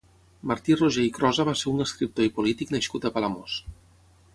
Martí Roger i Crosa va ser un escriptor i polític nascut a Palamós.